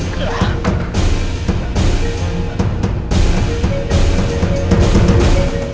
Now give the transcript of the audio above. saya harus melihat